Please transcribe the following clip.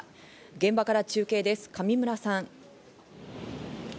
現場から中継です、上村さん。